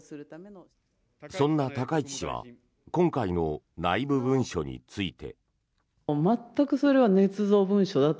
そんな高市氏は今回の内部文書について。